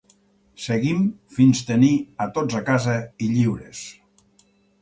Seguim fins tenir a tots a casa i lliures!